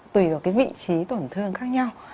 tùy vào vị trí tổn thương khác nhau